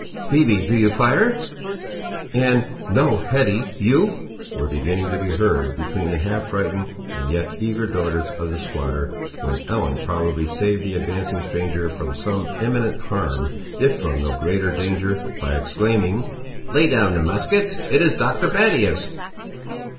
"Phoebe, do you fire," and "no, Hetty, you," were beginning to be heard between the half frightened and yet eager daughters of the squatter, when Ellen probably saved the advancing stranger from some imminent alarm, if from no greater danger, by exclaiming— "Lay down the muskets; it is Dr. Battius!"